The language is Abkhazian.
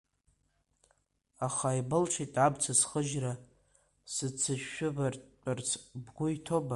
Аха ибылшеит амца схыжьра, сыццышәыбтәырц бгәы иҭоума?